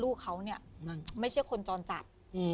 ลูกเขาเนี่ยไม่ใช่คนจรจัด